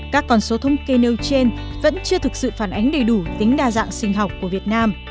các con số thông kê nêu trên vẫn chưa thực sự phản ánh đầy đủ tính đa dạng sinh học của việt nam